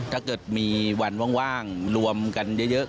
ถ้าเกิดมีวันว่างรวมกันเยอะ